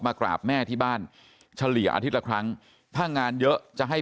กราบแม่ที่บ้านเฉลี่ยอาทิตย์ละครั้งถ้างานเยอะจะให้